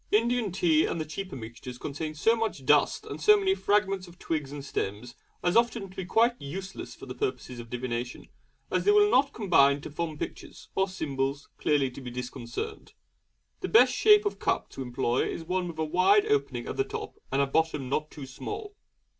Indian tea and the cheaper mixtures contain so much dust and so many fragments of twigs and stems as often to be quite useless for the purposes of divination, as they will not combine to form pictures, or symbols clearly to be discerned. The best shape of cup to employ is one with a wide opening at the top and a bottom not too small.